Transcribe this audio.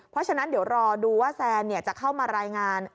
เพราะฉะนั้นเดี๋ยวรอดูว่าแซนจะเข้ามารายงาน